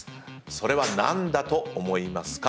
それは何だと思いますかと。